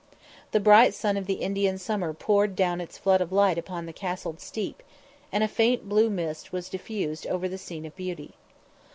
The bright sun of the Indian summer poured down its flood of light upon the castled steep, and a faint blue mist was diffused over the scene of beauty.